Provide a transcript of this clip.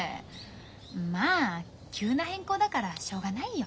まあ急な変更だからしょうがないよ。